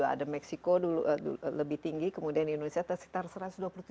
ada meksiko lebih tinggi kemudian indonesia sekitar satu ratus dua puluh tujuh ribu kalau tidak salah